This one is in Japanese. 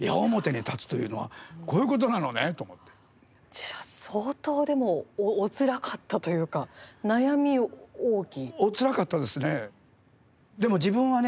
じゃ相当でもおつらかったというか悩み多き。